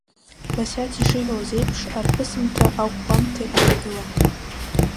Басиаҭ ишиҳәалоз еиԥш, арԥысымҭа, аӷәӷәамҭа иҭагылан.